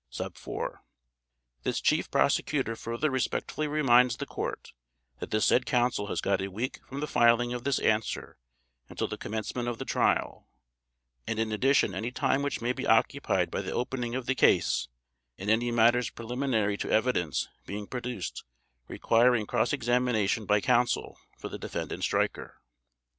4) This Chief Prosecutor further respectfully reminds the Court that the said Counsel has got a week from the filing of this answer until the commencement of the Trial, and in addition any time which may be occupied by the opening of the case and any matters preliminary to evidence being produced requiring cross examination by Counsel for the Defendant Streicher.